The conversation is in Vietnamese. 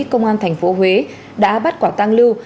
công an tp huế đã bắt quả tăng lưu